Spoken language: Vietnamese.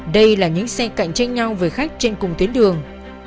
đây là những xe cạnh tranh nhau với khách trên cùng tuyến đường